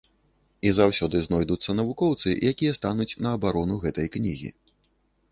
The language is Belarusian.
І заўсёды знойдуцца навукоўцы, якія стануць на абарону гэтай кнігі.